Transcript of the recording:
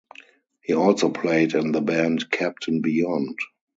He also played in the band Captain Beyond.